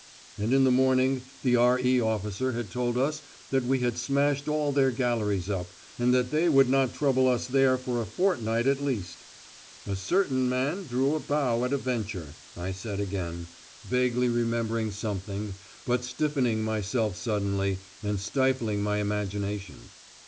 And in the morning the R.E. officer had told us that we had smashed all their galleries up, and that they would not trouble us there for a fortnight at least. "A certain man drew a bow at a venture," I said again, vaguely remembering something, but stiffening myself suddenly, and stifling my imagination.